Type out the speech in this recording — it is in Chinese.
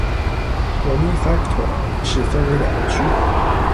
Bonifacio 市分为两个区。